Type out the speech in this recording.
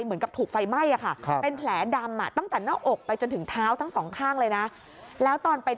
เหมือนกับถูกไฟไหม้ค่ะเป็นแผลดำ